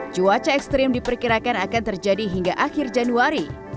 cuaca ekstrim diperkirakan akan terjadi hingga akhir januari